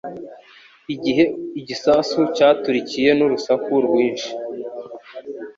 Igihe igisasu cyaturikiye n'urusaku rwinshi.